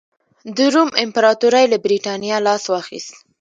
د روم امپراتورۍ له برېټانیا لاس واخیست